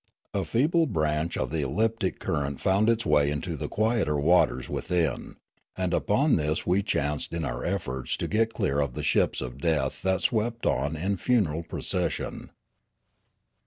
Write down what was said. A feeble branch of Riallaro 21 the elliptic current found its way into the quieter waters within ; and upon this we chanced in our efforts to get clear of the ships of death that swept on in funeral pro cession.